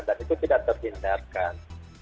dan itu tidak terhindarkan